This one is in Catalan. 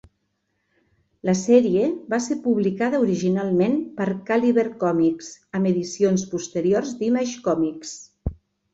La sèrie va ser publicada originalment per Caliber Comics, amb edicions posteriors d"Image Comics.